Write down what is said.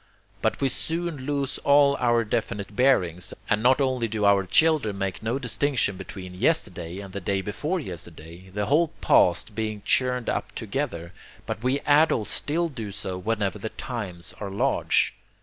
But we soon lose all our definite bearings; and not only do our children make no distinction between yesterday and the day before yesterday, the whole past being churned up together, but we adults still do so whenever the times are large.